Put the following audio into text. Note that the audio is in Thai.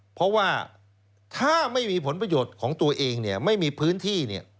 เพราะว่าถ้าไม่มีผลประโยชน์ของตัวเองเนี่ยไม่มีพื้นที่เนี่ย